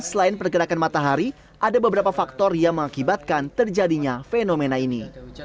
selain pergerakan matahari ada beberapa faktor yang mengakibatkan terjadinya fenomena ini